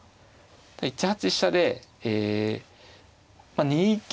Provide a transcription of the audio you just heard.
１八飛車でえ２九